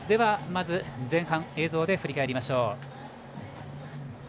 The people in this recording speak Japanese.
まず前半を映像で振り返りましょう。